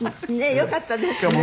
よかったですね。